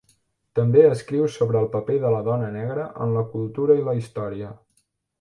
També escriu sobre el paper de la dona negra en la cultura i la història.